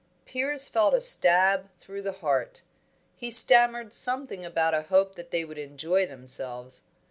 Piers felt a stab through the heart. He stammered something about a hope that they would enjoy themselves.